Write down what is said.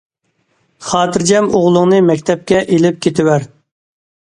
خاتىرجەم ئوغلۇڭنى مەكتەپكە ئېلىپ كېتىۋەر.